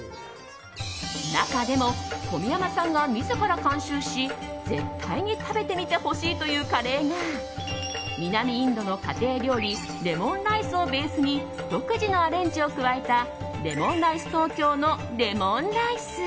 中でも、小宮山さんが自ら監修し絶対に食べてみてほしいというカレーが南インドの家庭料理レモンライスをベースに独自のアレンジを加えたＬｅｍｏｎＲｉｃｅＴＯＫＹＯのレモンライス。